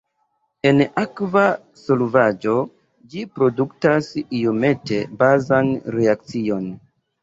En akva solvaĵo ĝi produktas iomete bazan reakcion.